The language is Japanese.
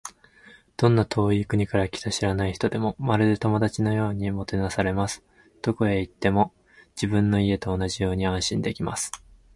どんな遠い国から来た知らない人でも、まるで友達のようにもてなされます。どこへ行っても、自分の家と同じように安心できます。